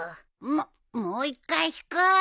もっもう一回引く！